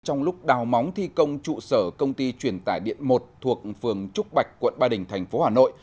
trong lúc đào móng thi công trụ sở công ty truyền tải điện một thuộc phường trúc bạch quận ba đình thành phố hà nội